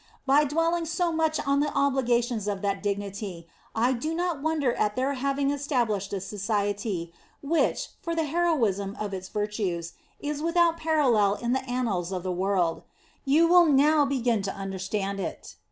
By dwelling so much on the obligations of that dignity, I do not wonder at their having established a society, which, for the heroism of its virtues, is without parallel in the annals of the world: you will now begin to under stand it.